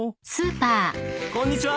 こんにちは。